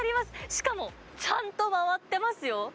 しかもちゃんと回ってますよ。